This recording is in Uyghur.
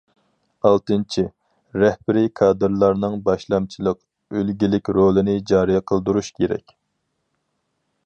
ئالتىنچى، رەھبىرىي كادىرلارنىڭ باشلامچىلىق، ئۈلگىلىك رولىنى جارى قىلدۇرۇش كېرەك.